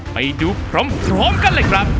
ไปดูพร้อมกันเลยครับ